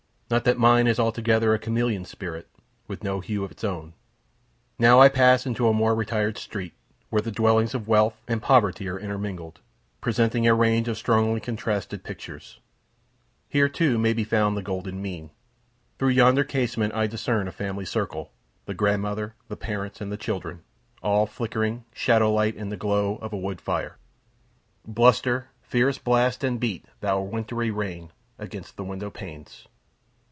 Not that mine is altogether a chameleon spirit, with no hue of its own. Now I pass into a more retired street, where the dwellings of wealth and poverty are intermingled, presenting a range of strongly contrasted pictures. Here, too, may be found the golden mean. Through yonder casement I discern a family circle, the grandmother, the parents, and the children, all flickering, shadow like, in the glow of a wood fire. Bluster, fierce blast, and beat, thou wintry rain, against the window panes!